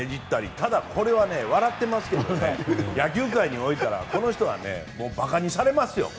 ただ、これは笑ってますけど野球界においては、この人はばかにされますよ。